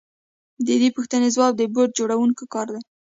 د دې پوښتنې ځواب د بوټ جوړونکي کار دی